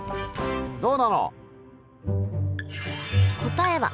どうなの？